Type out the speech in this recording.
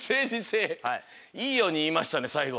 いいようにいいましたねさいご。